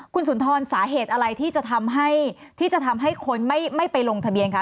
คุณสุนทรสาเหตุอะไรที่จะทำให้ที่จะทำให้คนไม่ไปลงทะเบียนคะ